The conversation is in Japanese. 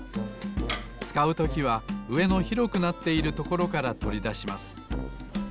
つかうときはうえの広くなっているところからとりだします。